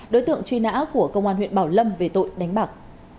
đối tượng truy nã của công an huyện bảo lâm về tội đánh bạc